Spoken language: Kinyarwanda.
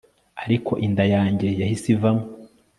ariko inda yanjye yahise ivamo